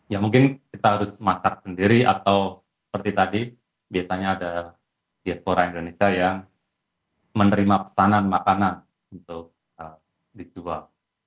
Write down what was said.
ya mungkin kita harus masak sendiri atau seperti tadi biasanya ada diaspora indonesia yang menerima pesanan makanan untuk dijual